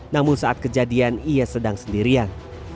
namun saat kejadian ia sedang sendirian